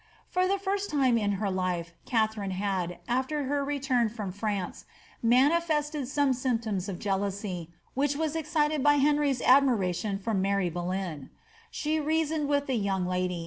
For the firet time in her life Katharine had, after her return from France, manifested some symptoms of jealousy, which was excited by Uenr}'*s admiration for Mary Boleyn/ She reasoned with the young lady.'